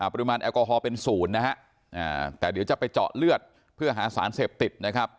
ปริมาณแอลกอฮอลเป็นศูนย์นะฮะแต่เดี๋ยวจะไปเจาะเลือดเพื่อหาสารเสพติดนะครับ